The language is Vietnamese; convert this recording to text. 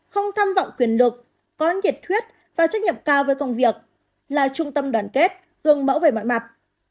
hai không tham vọng quyền lực có nhiệt thuyết và trách nhiệm cao với công việc là trung tâm đoàn kết gừng mẫu về mọi mặt